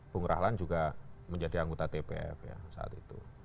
bung rahlan juga menjadi anggota tpf ya saat itu